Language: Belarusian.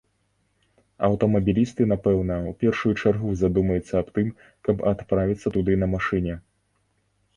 Аўтамабілісты, напэўна, у першую чаргу задумаюцца аб тым, каб адправіцца туды на машыне.